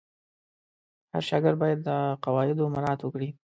هر شاګرد باید د قواعدو مراعت وکړي.